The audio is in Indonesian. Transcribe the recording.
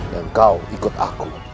dan kau ikut aku